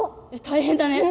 大変だね。